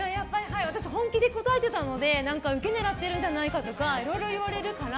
私、本気で答えてたのでウケ狙ってるんじゃないかとかいろいろ言われるから。